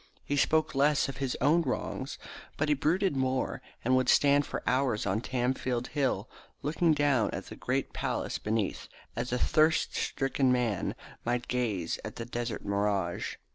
He spoke less of his own wrongs, but he brooded more, and would stand for hours on Tamfield Hill looking down at the great palace beneath, as a thirst stricken man might gaze at the desert mirage.